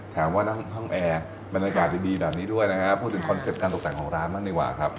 แถมว่านั่งห้องแอร์บรรยากาศดีแบบนี้ด้วยนะครับ